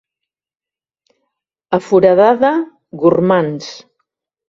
A Foradada, gormands.